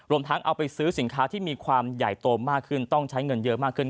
ทั้งเอาไปซื้อสินค้าที่มีความใหญ่โตมากขึ้นต้องใช้เงินเยอะมากขึ้น